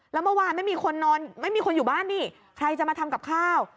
แล้วเมื่อวานไม่มีคนนอนไม่มีคนอยู่บ้านนี่ใครจะมาทำกับข้าว